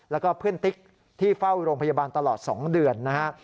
แล้วก็เพื่อนติ๊กที่เฝ้าโรงพยาบาลตลอด๒เดือนนะฮะ